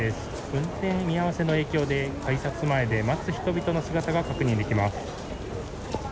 運転見合わせの影響で改札前で待つ人の姿が確認できます。